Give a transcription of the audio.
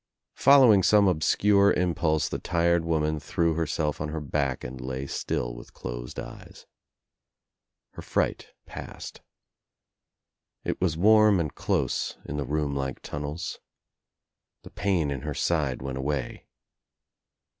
156 THE TRIUMPH OF THE EGG Following some obscure impulse the tired woman threw herself on her back and lay still with closed eyes. Her fright passed. It was warm and close in the room like tunnels. The pain in her side went away.